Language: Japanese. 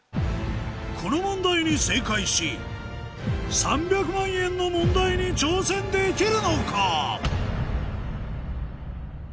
この問題に正解し３００万円の問題に挑戦できるのか？